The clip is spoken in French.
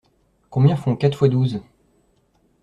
Combien font quatre fois douze?